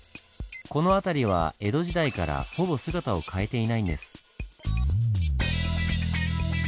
この辺りは江戸時代からほぼ姿を変えていないんです。